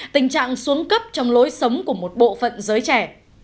tình trạng xuống cấp trong lối sống của một bộ phận giới trẻ